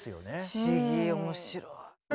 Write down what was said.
不思議面白い。